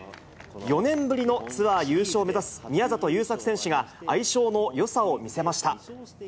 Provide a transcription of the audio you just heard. ４年ぶりのツアー優勝を目指す宮里優作選手が、相性のよさを見せました。